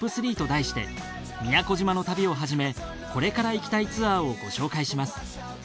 ＴＯＰ３と題して宮古島の旅をはじめこれから行きたいツアーをご紹介します。